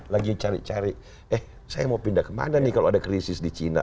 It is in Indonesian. lagi cari cari eh saya mau pindah kemana nih kalau ada krisis di cina